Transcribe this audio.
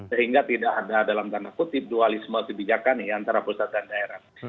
sehingga tidak ada dalam tanda kutip dualisme kebijakan nih antara pusat dan daerah